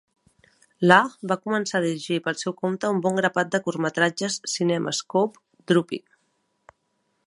Lah va començar a dirigir pel seu compte un bon grapat de curtmetratges CinemaScope Droopy.